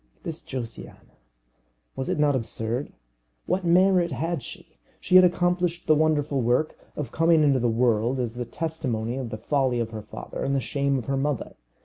This Josiana! Was it not absurd? What merit had she? She had accomplished the wonderful work of coming into the world as a testimony of the folly of her father and the shame of her mother.